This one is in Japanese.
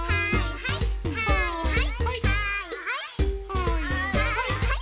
はいはい。